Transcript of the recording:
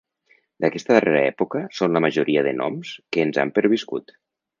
D'aquesta darrera època són la majoria de noms que ens han perviscut.